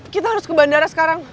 kita harus ke bandara sekarang